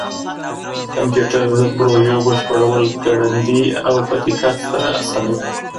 کمپيوټر د پروژو بشپړول ګړندي او په دقت سره اسانوي.